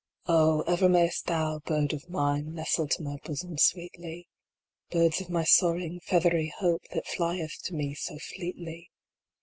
Oh ! ever may st thou, bird of mine, Nestle to my bosom sweetly, Birds of my soaring, feathery hope, That flyeth to me so fleetly.